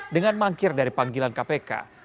dengan mangkir dari panggilan kpk